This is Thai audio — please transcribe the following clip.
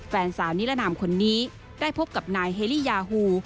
แฟนสาวนิรนามคนนี้ได้พบกับนายเฮลี่ยาฮู